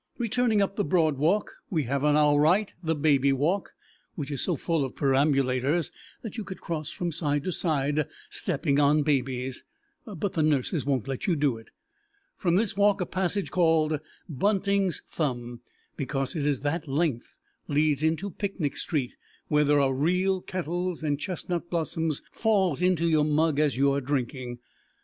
Returning up the Broad Walk we have on our right the Baby Walk, which is so full of perambulators that you could cross from side to side stepping on babies, but the nurses won't let you do it. From this walk a passage called Bunting's Thumb, because it is that length, leads into Picnic Street, where there are real kettles, and chestnut blossom falls into your mug as you are drinking.